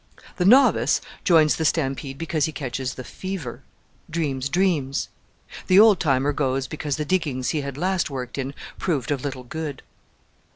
The novice joins the stampede because he catches the "fever" dreams dreams. The old timer goes because the diggings he had last worked in proved of little good.